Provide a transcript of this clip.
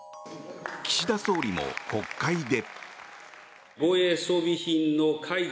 岸田総理も国会で。